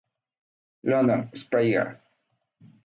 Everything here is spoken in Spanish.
London: Springer.